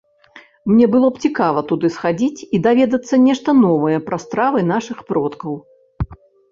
Мне было б цікава туды схадзіць і даведацца нешта новае пра стравы нашых продкаў.